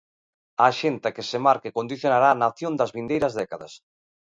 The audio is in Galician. A axenda que se marque condicionará a nación das vindeiras décadas.